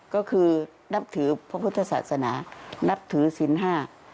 ก็คือนับถือพระพุทธศาสนานับถือศิลป์ห้า